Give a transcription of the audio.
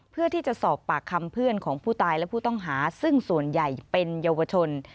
เพื่อที่จะสอบปากคำเพื่อนของผู้ตายและผู้ต้องหาซึ่งส่วนใหญ่เป็นเยาวชน